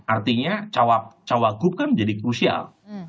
artinya cawagup kan menjadi krusial